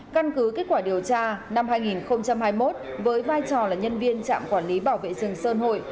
căn cứ kết quả điều tra năm hai nghìn hai mươi một với vai trò là nhân viên trạm quản lý bảo vệ rừng sơn hội